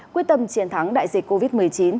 quyết tâm chiến thắng đại dịch covid một mươi chín